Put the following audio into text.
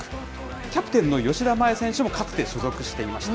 キャプテンの吉田麻也選手もかつて所属していました。